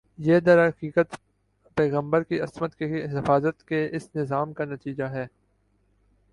یہ درحقیقت پیغمبر کی عصمت کی حفاظت کے اس نظام کا نتیجہ ہے